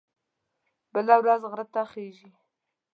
بله مخامخ غره ته خیژي.